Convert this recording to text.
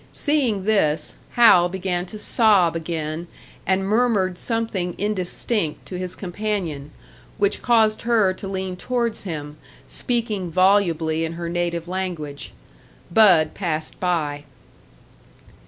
Seeing this, Hal began to sob again, and murmured something indistinct to his companion which caused her to lean towards him, speaking volubly in her native language. "Bud" passed by.